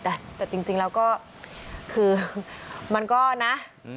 แต่จริงแล้วก็คือมันก็นะ